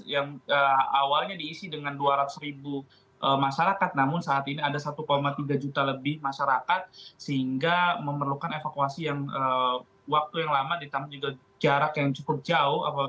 yang awalnya diisi dengan dua ratus ribu masyarakat namun saat ini ada satu tiga juta lebih masyarakat sehingga memerlukan evakuasi yang waktu yang lama ditambah juga jarak yang cukup jauh